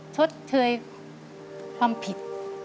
ชดเชยความผิด